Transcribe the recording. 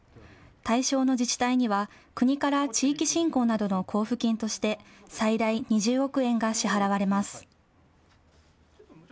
対象の自治体には、国から地域振興などの交付金として最大２０億円が支払われます。